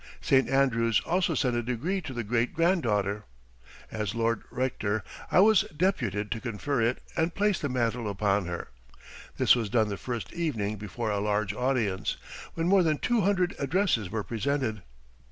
St. Andrews also sent a degree to the great granddaughter. As Lord Rector, I was deputed to confer it and place the mantle upon her. This was done the first evening before a large audience, when more than two hundred addresses were presented.